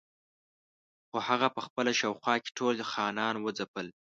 خو هغه په خپله شاوخوا کې ټول خانان وځپل.